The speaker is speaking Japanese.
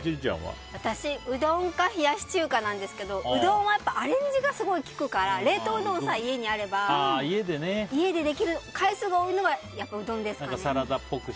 私、うどんか冷やし中華なんですけどうどんはアレンジが利くから冷凍うどんさえ家にあれば家でできる、回数が多いのはやっぱりうどんですかね。